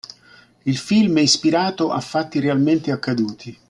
Il film è ispirato a fatti realmente accaduti.